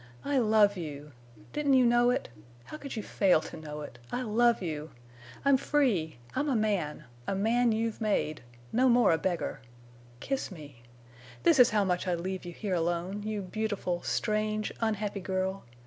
I love you! Didn't you know it? How could you fail to know it? I love you! I'm free! I'm a man—a man you've made—no more a beggar!... Kiss me! This is how much I'd leave you here alone—you beautiful, strange, unhappy girl.